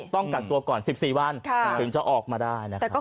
ต้องกักตัวก่อน๑๔วันจนจะออกมาได้